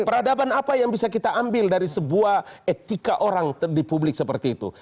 peradaban apa yang bisa kita ambil dari sebuah etika orang di publik seperti itu